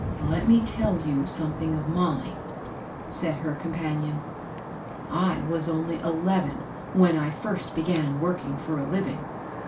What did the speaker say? " Let me tell you something of mine," said her companion/ "I was only eleven when I first began working for a living.